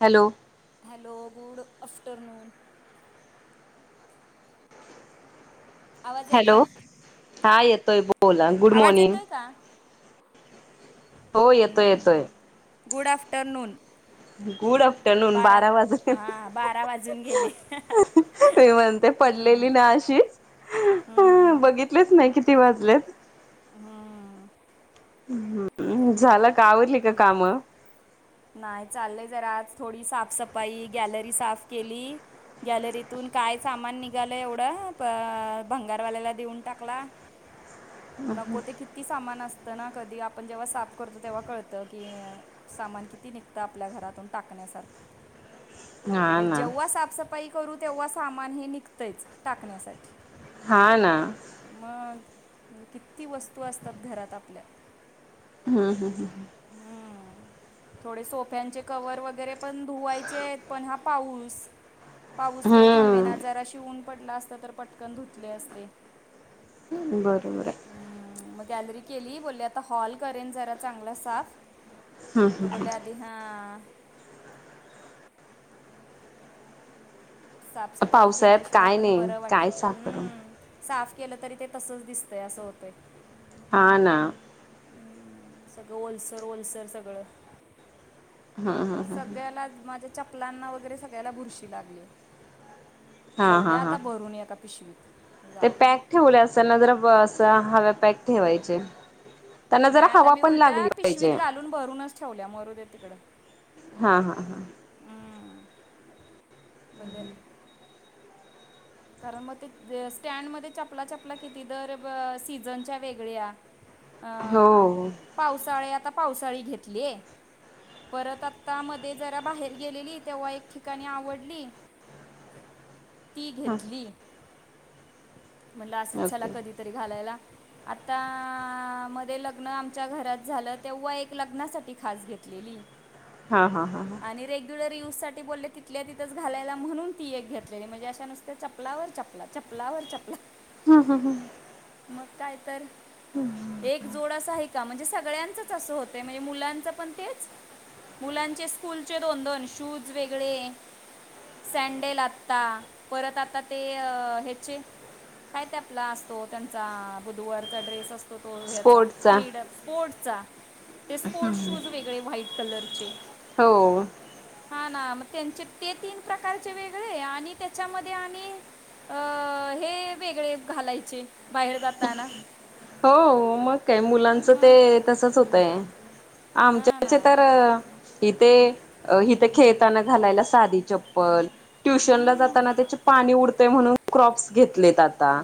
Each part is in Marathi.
हॅलो! Hello good afternoon. आवाज येतोय हॅलो, हा येतोय बोला, गुड आवाज मॉर्निंग. येतोय का हो येतोय हम्म, येतोय गुड आफ्टरनून. गुड आफ्टरनून बारा वाजेले हां बारा वाजून गेले मी म्हणते हम्म, पडलेली ना अशी हम्म, बघित लीच नाही किती वाजलेत हू झाल का आवरलिका काम नाही चाललंय जरा आज थोडी साफसफाई गॅलरी साफ केली गॅलरीतून काय सामान निघालं एवढं प भंगारवाल्याला देऊन टाकला नको ते किती किती सामान असतं ना कधी आपण जेव्हा साफ करतो तेव्हा कळतं की सामान किती निघत आपल्या घरातून टाकण्यासारखं हा म्हणजे ना जेव्हा साफस पई करू तेव्हा सामान हे निघतंयच टाकण्यासाठी हा ना मग किती वस्तू असतात घरात आपल्या हू हू हू हम्म. थोडे सोफ्यांचे कवर वगैरे पण धुवायचेत पण हा पाऊस पाऊस काय हम्म थांबेनाच जराशि ऊन पडल असत तर पटकन धुतले असते बरोबर आहे म गॅलरी केली बोलले आता हॉल करेन जरा चांगला साफ हम् तर बोलले आधी हा साफसफाई पावसाळ्यात केल्याशिवाय काय पण नाही बर काय वाटत साखर हू साफ केलं तरी ते तसंच दिसतंय असं होतंय हा ना हम्म, सगळं ओलसर ओलसर सगळं सगळ्याला माझ्या चपलांना वगैरे सगळ्याला बुरशी लागलीय हा ठेवलय हा हा आता भरून एका पिशवीत ते जाऊ दे पॅक म्हणे. ठेवले असल न तर अस हवा पॅक ठेवायचे त्यांना नाही जरा आता हवा मी पण उलट् लागली पिशवीत पाहिजे घालून भरूनच ठेवल्या मरू दे तिकडं हा हा हा हू भले कारण म ते स्टँडमध्ये चपला चपला किती दर ब सीझनच्या वेगळ्या अ हो पावसाळे आता पावसाळी घेतली परत आता मध्ये जरा बाहेर गेलेली तेव्हा एक ठिकाणी आवडली ती हो घेतली म्हणलं असंच चला ओके कधी तरी घालायला आता मध्ये लग्न आमच्या घरात झालं तेव्हा एक लग्नासाठी खास घेतलेली हा हा हा आणि रेग्युलर यूजसाठी बोलले तिथल्या तिथ घालायला म्हणून ती एक घेतलेली म्हणजे अशा नुसत्या चपलावर चपला चपलावर चपला [unintelligible] मग काय तर एक जोड असं हाय का म्हणजे सगळ्यांचंच असं होतंय म ह्या मुलांचं पण तेच मुलांचे स्कूलचे दोन दोन शूज वेगळे सॅडेल आता परत आता ते ह्याचे काय ते आपला असतो त्यांचा बुधवारचा ड्रेस असतो तो ह्याचा स्पोर्टचा क्रीडा स्पोर्टचा, ते स्पोर्ट्स शूज वेगळे व्हाईट कलरचे. हो. हां ना, मग त्यांचे ते तीन प्रकारचे वेगळे आणि ते च्यामध्ये आणि अ हे वेगळे घालायचे बाहेर जाताना. हो. मग काय मुलांचं मग ते तसंच होतंय. हा ना आमच्याचे तर हिथे, अ हिथं खेळताना घालायला साधी चप्पल ट्युशन ला हम्म, जाताना त्याचे पाणी उडतय म्हणून क्रॉप्स घेतलेत आता.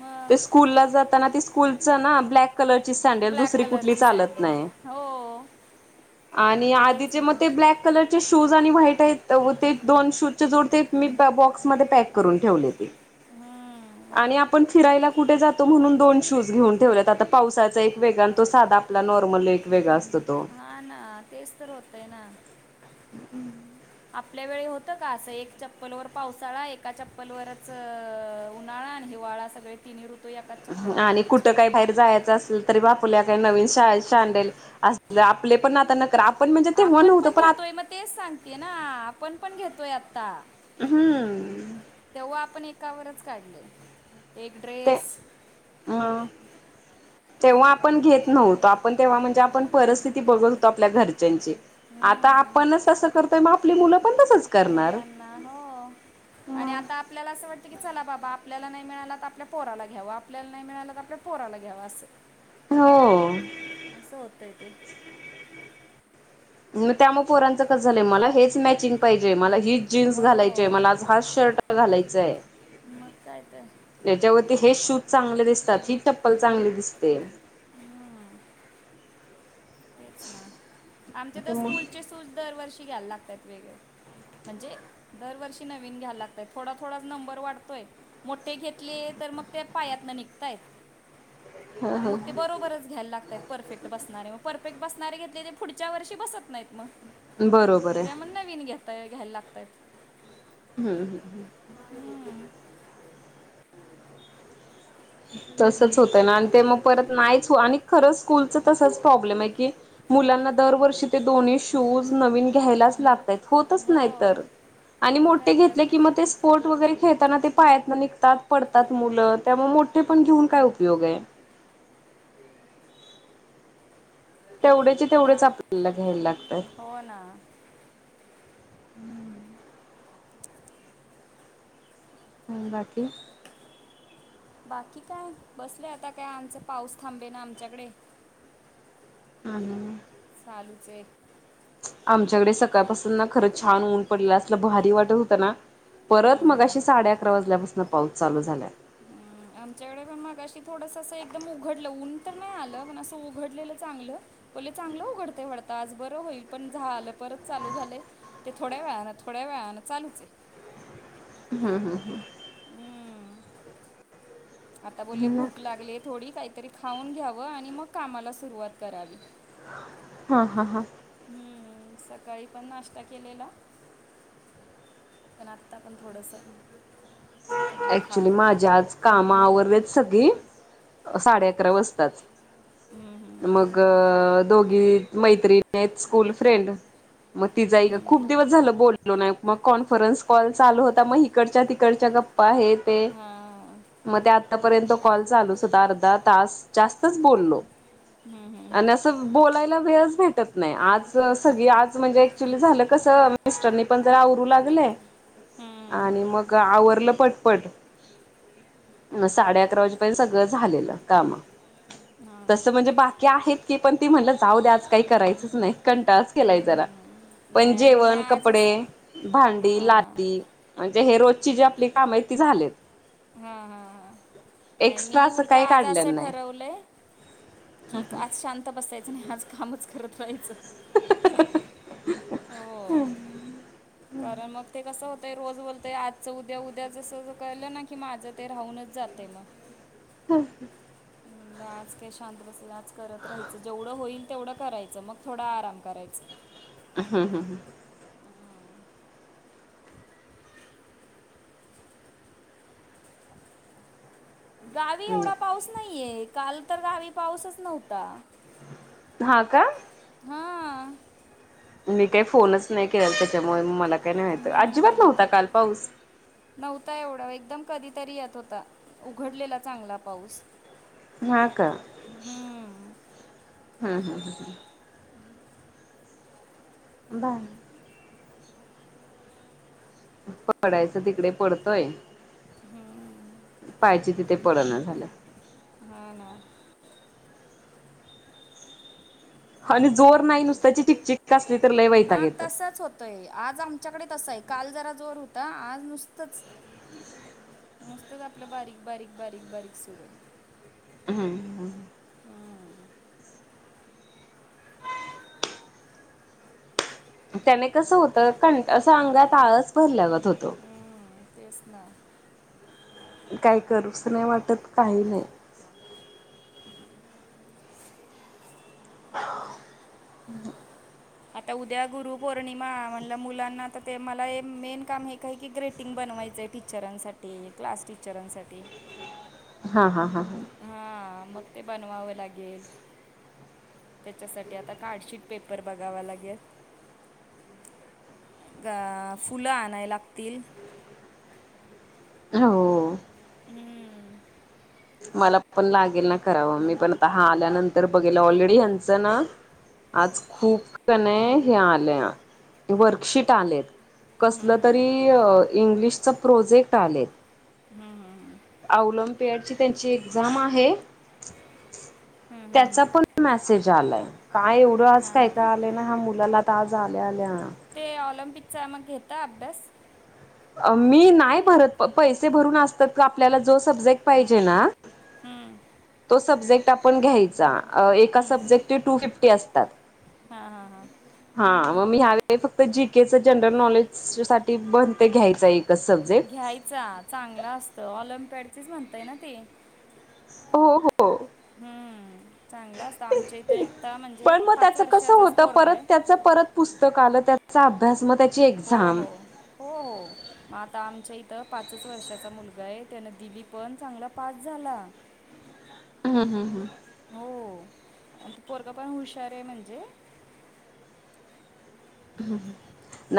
मग ते स्कूलला जाताना ते स्कूलचं ना ब्लॅक कलरची सँडल, ब्लॅक दुसरी कुठली कलरची चालत सँडेल नाही. हो आणि तेच आधीचे म ना ते ब्लॅक कलर चे शूज आणि व्हाईट आहेत होते दोन शूजचे जोड, ते मी बॉक्समध्ये पॅक करून ठेवले ते. [unintelligible] आणि आपण फिरायला कुठे जातो म्हणून दोन शूज घीऊन ठेवलेत. आता पावसाचा एक वेगळा अन् तो साधा आपला नॉर्मल एक वेगळा असतो तो. हा ना, तेच तर होतंय ना. [unintelligible] आपल्या वेळी होतं का असं, एक चप्पलवर पावसाळा एका चप्पलवरच अ ऊ उन्हाळा अन हिवाळा सगळे तिनी ऋतू एकात् आणि कुठं काही बाहेर जायाचं असलं तरी बा आपल्या का नवीन शाळे सँडल, असल आपले पण आता नखरे आप् आपण पण घेतोय, म तेच सांगतेय ना, आपण पण घेतोय आता. हं. तेव्हा आपण एकावरच काढलंय, एक ते ड्रेस [inaudible] तेव्हा आपण घेत नव्हतो. आपण तेव्हा म्हणजे, आपण परस्थिती बघत होतो आपल्या घर च्यांची. आता आपणच तसं करतोय म आपली मुलं पण तसच करणार मुलांना हो. आणि आता आपल्याला असं वाटतं की, चला बाबा आपल्याला नाई मिळाला त आपल्या पोराला घ्यावा. आपल्याला नाही मिळालं का, आपल्या पोरांना घ्यावा असं. हो. असं होतंय तेे. मग त्यामु पोरांचं कसं झालंय, मला हेच मॅचिंग पायजे, मला हीच जीन्स घालायची हो मला आज् हाच शर्ट घालायचाय. मग काय त. त्याच्यावरती हे शूज चांगले दिसतात. ही चप्पल चांगली दिसते. तेच ना, आमचे त स्कूलचे शूज दरवर्षी घ्यायल लागतात वेगळे. म्हणजे दरवर्षी नवीन घ्याय लागतायेत, थोडा थोडाच नंबर वाढतोय. मोठे घेतले तर मग त्या पायात न निघताय. आ मग ते बरोबरच घ्यायल लागतात, परफेक्ट बसणारे मग परफेक्ट बसणारे घेतले, ते फुडच्या वर्षी बसत नाईत मग. बरोबरे. ते मग नवीन घेताय, घ्यायला लागतायेत. हम्म हम्म. हम्म. तसच होतं ना आण ते म परत नाईच हो आणि खरंच स्कूलचं तसंच प्रॉब्लेमाय की मुलांना दरवर्षी ते दोन्ही शूज नवीन घ्यायलाचं लागत्यायत. होतच नाही हो तर आणि मग मोठे काय तर घेतले कि म तेच स्पोर्ट्स वगैरे खेळताना ते पायातन निघतात पडतात मुलं, त्यामुळे मोठे पण घेऊन काय उपयोग आहे. तेवढ्याचे तेवढेच हां आपल्याला घ्यायला लागतय. हो ना! आणि बाकी. बाकी काय बसले आता, काय आमचा पाऊस थांबेना आमच्याकडे. आन. चालूच हाय. आमच्याकडे सकाळपासून ना खरं छान ऊन पडलेलं, असल भारी वाटत होत ना. हम्म. परत मगाशी साडे अकरा वाजल्यापासून पाऊस चालू झालाय. हम्म. आमच्याकडे पण मगाशी थोडंस असं एकदम उघडलं, ऊन तर नाही आलं पण उघडलेलं चांगलं. पहिलं चांगलं उघडते वाढत आज बरं होईल पण झा आलं परत चालू झालंय. ते थोड्या वेळान थोड्या वेळान चालूच आहे. हम हम हम. हम्म. आता बोलले भूक लागले थोडी, काहीतरी खाऊन घ्यावं आणि मग कामाला सुरुवात करावी. हा हा हा. हम्म, सकाळी पण नाष्टा केलेला. पण आत्ता पण थोडंसं. आता बोलले अऍक्च्युली खावं माझ आज काम आवरल्यात सगळी, साडे अकरा वाजतातच. हम्म हम्म. मग दोघी मैत्रिणी आहेत, स्कूल फ्रेंड. मग तिजा एक हम्म. खूप दिवस झालं बोललो नाही, मग कॉन्फरन्स कॉल चालू होता मग इकडच्या तिकडच्या. इकडच्या गप्पा आहे ते. हां मग ते आतापर्यंत कॉल चालू हुता, अर्धा तास जास्तच बोललो. हम् हम आणि असं बोलायला वेळच भेटत नाही, आज सगळी आज म्हणजे ऍक्च्युली झालं कसं मिस्टरनी पण जरा आवरू लागले, आणि हम्म, मग आवरलं पटपट. मग साडे अकरा वाजेपर्यंत सगळं झालेलं काम, हां तसं म्हणजे बाकी आहेत. की पण ती म्हणलं जाऊ दे, आज काही करायचंच नाही कंटाळच केलाय जरा. हम्म. पण नाही आणि मी जेवण आजच कपडे भांडी हां लादी. म्हणजे हे रोजची जजी आपली काम आहे ती झालेत. हा हा हा नाही एक्स्ट्रा मी असं उलट काही आज असं काढलेलं नाही. ठरवलंय. की आज शांत बसायचं नाही, आज काम करत राहायचं. हम हो [inaudible] कारण मग ते कसं होतय. होतय रोज होतय, आजच उद्या उद्या जसं ज कळलं ना की माझं ते राहूनच जातय मग. [inaudible] आज काही शांत बसेल, आज करत राहायचं जेवढं होईल तेवढं करायचं मग थोडं आराम करायचं. [unintelligible] गाल. ह् [unintelligible] पाऊस नाहीये, काल तर गावी पाऊसच नव्हता. हा का? हा. मी काही फोनच नाही केलाला, त्याच्यामुळे मला काही नाही माहित, अजिबात नव्हता हम्म काल पाऊस. नव्हता एवढा एकदम कधीतरी येत होता उघडलेला चांगला पाऊस. हा का हम्म हम्म हम्म हम. [unintelligible] पडायचं तिकडे पडतोय. हम्म. पाहिजे तिथे पडना झालाय. हा ना. आणि जोर नाही नुसत्याची चिकचिक. [unintelligible] हा तसाच होतोय, आज आमच्याकडे तसंय, काल जरा जोर होता आज नुसतंच नुसतंच आपलं बारीक, बारीक, बारीक, बारीक सुरूय. हां हां. हम्म, त्याने कसं होतं कं असं अंगात आळच भरल्यागत होतो. हम्म, तेच ना. काही करूसं नाही वाटत काही नाही. [unintelligible] आता उद्या गुरु पौर्णिमा म्हणल मुलांना आता ते मला मेन काम हे काय की ग्रेटिंग बनवायचंय टि सरांसाठी, क्लास टीचरांसाठी. हा हा हा हा. हा मग ते बनवावं लागेल त्याच्यासाठी आता कार्डशीट पेपर बघावा लागेल. गा फुलं आणाय लागतील? हो. हम्म. मला पण लागेल ना करावं मी पण आता हा आल्यानंतर बघेल ऑलरेडी ह्यांचं ना आज खूप कनाय हे आलंया, वर्कशीट आलेत. कसलं तरी इंग्लिशच प्रोजेक्ट आलेत. हां हां. अवलंबपॅडची त्यांची एक्झाम आहे. त्याचा पण मेसेज आलाय काय एवढं आज हां काय हां काय आलय ना ह्या मुलाला तर आज आल्या आल्या. ते ऑलिम्पिकचा मग घेता अभ्यास? मी नाही भरत पैसे भरून असतात का आपल्याला जो सब्जेक्ट पाहिजे ना हम्म. तो सब्जेक्ट आपण घ्यायचा एका सब्जेक्टचे टू फिफ्टी असतात. हा हा हां. हा मग मी ह्यावेळी फक्त जी केेच जनरल नॉलेज साठी बनते घ्यायचाय. घ्यायचा चांगल असतं ऑलम्पॅड च म्हणताय ना ती? हो हो. हम्म चांगलं असत आमच्या इथ इता म्हणजे पण मग पाच त्याच कसं वर्षाचाच होतं परत पोरगाय त्याच परत पुस्तक आलं त्याचा अभ्यास मग त्या हो हो हो. मग आता आमच्या इथं पाचच वर्षाचा मुलगा आहे त्यान दिली पण चांगला पास झाला. हं हं हं. हो आणि तो पोरगा पण हुशारय म्हणजे.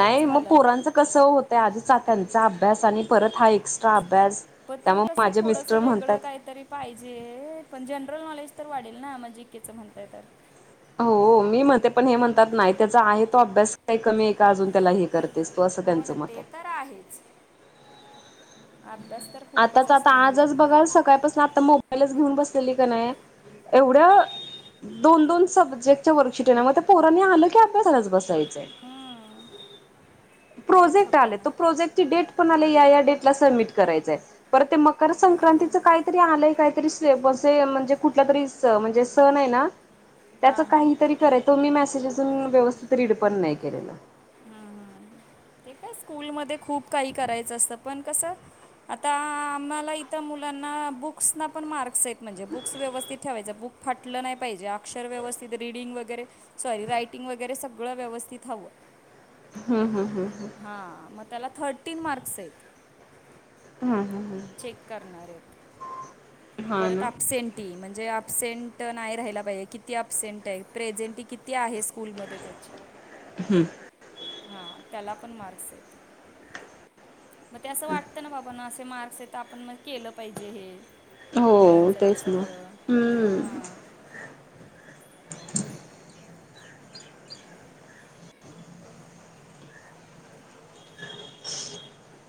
पण मग झालं तर पोरांच कसं होतंय आधीचा त्यांचा अभ्यास आणि परत हा एक्स्ट्रा अभ्यास पण ते त्यामुळे कसं माझे थोडंसं मिस्टर वेगळं म्हणतात कायतरी पाहिजे पण जनरल नॉलेज तर वाढेल ना म जीके च म्हणताय तर हो मी म्हणते पण हे हम्म. म्हणतात नाही त्याचा आहे तो अभ्यास काय आहे कमी आहे का अजून त्याला हे कर हो न ते तर आहेच अभ्यास तर खूपच आताच आता असतो आजच मुलांना बघाल सकाळपासून आता मो बाईलच घेऊन बसलेली कणी एवढ दोन दोन सब्जेक्टच्या वर्कशिट हाय ना म ते पोरानी आलं की अभ्यासालाच बसायचंय हम्म, तेच प्रोजेक्ट आले होतं ना तो प्रोजेक्टची डेट पण आली या या डेटला सबमिट करायचंय परत ते मकर संक्रांतीच काहीतरी आलंय काहीतरीे सिलॅबस आहे म्हणजे कुठलातरी च म्हणजे सन हाय ना त्याच हां हां काहीतरी कराय तो मी मेसेज अजून व्यवस्थित रीड पण नाही केलेलं हू हू ते काय स्कूलमध्ये खूप काही करायचं असत पण कसं आता आम्हाला इथ मुलांना बुक्सना पण मार्क्स आहेत म्हणजे बुक्स व्यवस्थित ठेवायच बुक फाटलं नाही पाहिजे अक्षर व्यवस्थित रीडिंग वगैरे सॉरी रायटिंग वगैरे सगळं व्यवस्थित हवं हू हू हू हा म त्याला थर्टीन मार्क्स आहेत हू हू चेक करणारयेत हा परत ना. अपसेंट म्हणजे अपसेंट नाही राहिला पाहिजे किती अपसेंट आहे प्रेझेंटी किती आहे स्कूलमध्ये त्याची [inaudible] हू हा त्याला पण मार्क्सयेत म ते असं वाटत ना बाबांनो अस ते मार्क्स आहेत तर आपण मग केलं पाहिजे हे हो मुलांसाठी तेच ना. सगळं हा हम्म. [inaudible] [inaudible]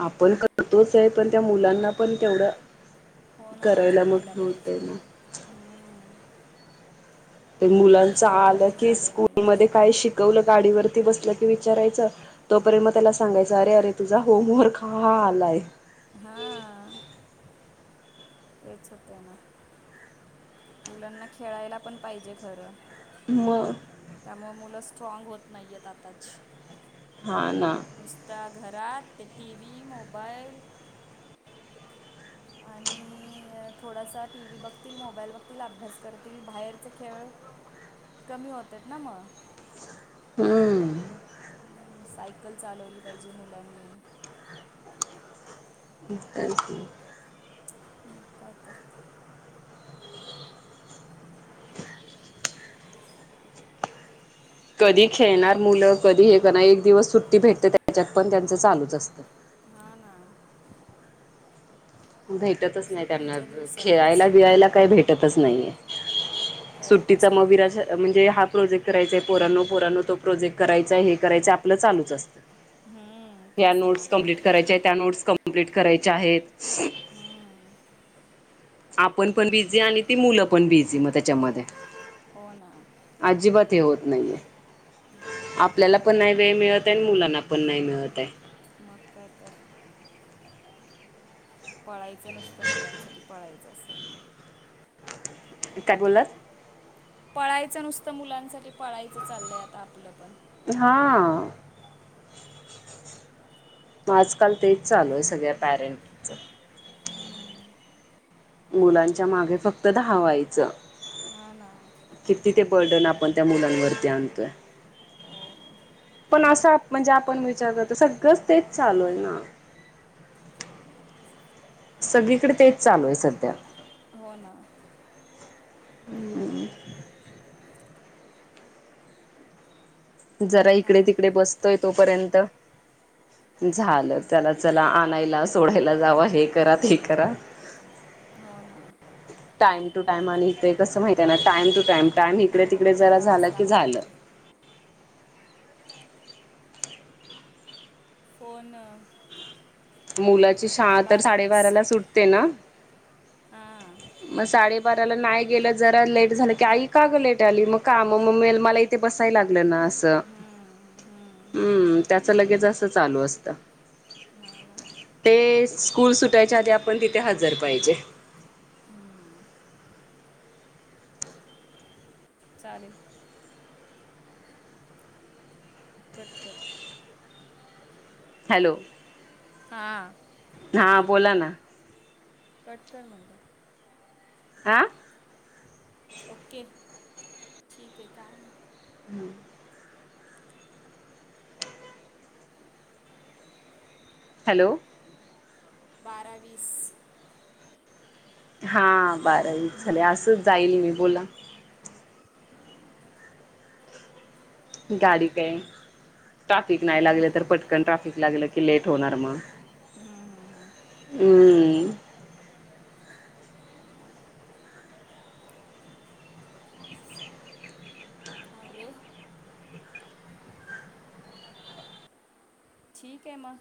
आपण करतोचय पण त्या मुलांना पण तेवढं हो ना करायला मग जमायला होते पाहिजे ना हम्म. ते मुलांच खेळ आलं कमी की झाले स्कूल मध्ये मुलांचे काय शिकवलं गाडीवरती बसलं की विचारायचं तोपर्यंत म त्याला सांगायच अरे अरे तुझा होमवर्क हा आलाय हा तेच होतय ना मुलांना खेळायला पण पाहिजे खरं म त्यामुळ मुलं स्ट्राँग होत नाहीयेत आताची हा ना नुसता घरात ते टी वी मोबाईल आणि थोडासा टी व्ही बघतील मोबाईल बघतील अभ्यास करतील बाहेरच खेळ कमी होत्यात ना म हू सायकल चालवली पाहिजे मुलांनी [unintelligible] काय तर. कधी खेळणार मुलं, कधी हे करणार, एक दिवस सुट्टी भेटते त्याच्यात पण त्यांचं चालूच असतं. हां ना. भेटतच नाही त्यांना सुट्टीच्या दिवसातच खेळायला बिळायला काही भेटतच नाही ये. खेळत सुट्टीचा मग असतील वीराज तर म्हणजे हा प्रोजेक्ट करायचा आहे पोरानो, पोरानो तो प्रोजेक्ट करायचाय हे करायचं आपलं चालूच असतं. हम्म, या तेच ना नोट्स कमप्लीट करायच्या, त्या नोट्स कमप्लीट करायच्या आहेत. [inaudible] आपण पण बिझी आणि ती मुलं पण बिझी मग त्याच्यामध्ये. हो ना. अजिबात हे होत नाहीये आपल्याला पण नाही वेळ मिळतय अन मुलांना पण नाही मिळतय. मग काय तर. पळायचं नुसतं मुलांसाठी पळायचं असं. काय बोललात? पळायचं नुसतं मुलांसाठी पळायचं चाललंय आता आपलं पण. हां. मग आजकाल तेच चालू आहे सगळ्या पॅरेंट हम्म, मुलांच्या मागे फक्त धावायच. हा ना. किती ते बर्डन आपण त्या मुलांवरती आणतोय. हो पण असं म्हणजे आपण विचार करतो सगळंच तेच चालूय ना. सगळीकडे तेच चालूय सध्या. हो ना. हम्म. जरा इकडे हां तिकडे बसतोय तोपर्यंत झालं त्याला चला आणायला, सोडायला जावा हे करा ते करा. हो ना. टाइम टू टाइम आणि इथय कस माहीतय ना टाइम टू टाइम टाइम हो इकडे तिकडे जरा झालं करावंच की लागतंय झाल. ते हो न. मुलाची शाळा तर साडेबाराला सुटते ना? हा. मग साडेबाराला नाही गेलं जरा लेट झालं की आई का ग लेट आली मग का म मग मला ते बसाय लागलं ना. अस हम्म त्याच लगेच असं चालू असतं. हां हां. ते स्कूल सुटायच्या आधी आपण तिथे हजर पाहिजे. चालेल. कट कर. हॅलो! हा. हा बोला ना. कट कर म्हटलं. आं? ओके ठीक आहे का [inaudible] हॅलो बारा वीस हा बारावीस झाले असंच हम्म. जाईल मी बोला गाडी काय ट्राफिक नाही लागल तर पटकन ट्राफिक लागलं की लेट होणार म [inaudible] बापरे ठीक हाय म